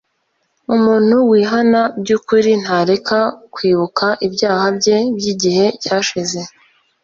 umuntu wihana by'ukuri ntareka kwibuka ibyaha bye by'igihe cyashize